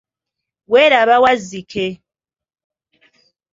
Weraba Wazzike.